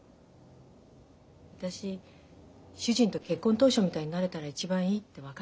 私主人と結婚当初みたいになれたら一番いいって分かってます。